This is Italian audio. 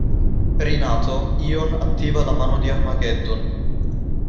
Rinato, Eon attiva la Mano di Armageddon.